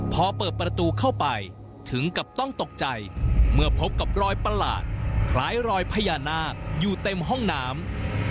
พอเปิดประตูเข้าไปถึงกับต้องตกใจเมื่อพบกับรอยประหลาดคล้ายรอยพญานาคอยู่เต็มห้องน้ำ